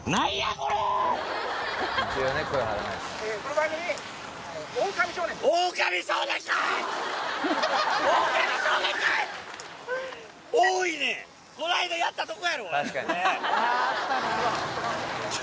この間やったとこやろこれ！